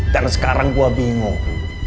dan sekarang gua bingung